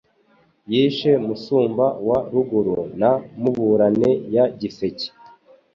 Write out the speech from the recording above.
Yishe Musumba wa Ruguru na muburane ya giseke